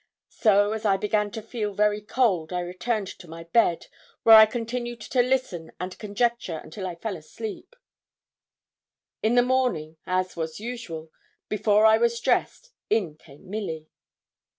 So, as I began to feel very cold, I returned to my bed, where I continued to listen and conjecture until I fell asleep. In the morning, as was usual, before I was dressed, in came Milly.